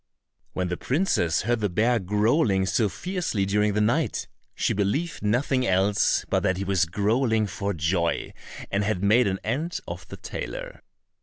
When the princess heard the bear growling so fiercely during the night, she believed nothing else but that he was growling for joy, and had made an end of the tailor.